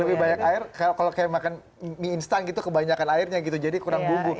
lebih banyak air kalau kayak makan mie instan gitu kebanyakan airnya gitu jadi kurang bumbu